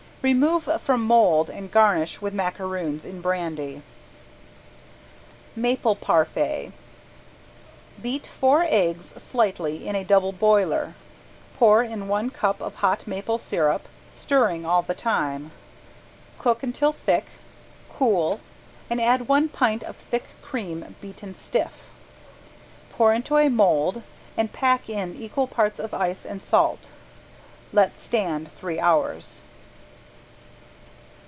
Remove from mold and garnish with macaroons in brandy. ~MAPLE PARFAIT~ Beat four eggs slightly in a double boiler, pour in one cup of hot maple sirup, stirring all the time. Cook until thick, cool, and add one pint of thick cream beaten stiff. Pour into a mold and pack in equal parts of ice and salt. Let stand three hours.